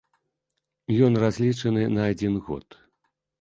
Ён разлічаны на адзін год.